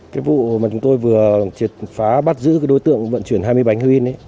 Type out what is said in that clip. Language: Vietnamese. cái vụ mà chúng tôi vừa phá bắt giữ đối tượng vận chuyển hai mươi bánh heroin ấy